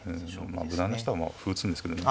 まあ無難な人は歩打つんですけどね。